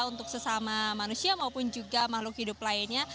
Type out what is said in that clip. untuk sesama manusia maupun juga makhluk hidup lainnya